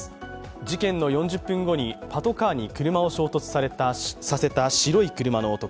事件の４０分後にパトカーに車を衝突させた白い車の男。